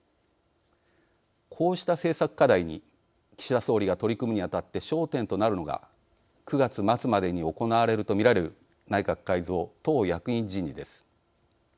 こうした政策課題に岸田総理が取り組むに当たって焦点となるのが９月末までに行われると見られる内閣改造・党役員人事です。